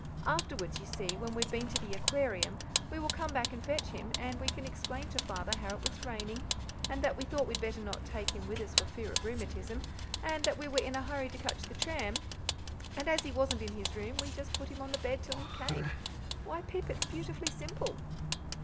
Afterwards, you see, when we've been to the Aquarium, we will come back and fetch him, and we can explain to Father how it was raining, and that we thought we'd better not take him with us for fear of rheumatism, and that we were in a hurry to catch the tram, and as he wasn't in his room we just put him on the bed till he came. Why, Pip, it's beautifully simple!"